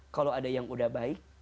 kalau ada yang udah baik